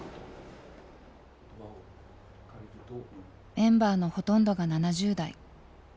メンバーのほとんどが７０代。